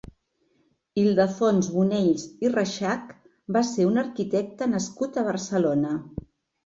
Ildefons Bonells i Reixach va ser un arquitecte nascut a Barcelona.